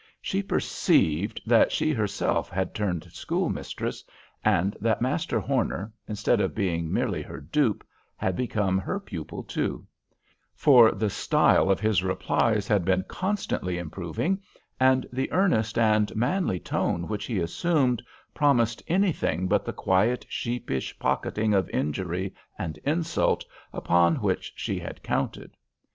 She perceived that she herself had turned schoolmistress, and that Master Horner, instead of being merely her dupe, had become her pupil too; for the style of his replies had been constantly improving and the earnest and manly tone which he assumed promised any thing but the quiet, sheepish pocketing of injury and insult, upon which she had counted.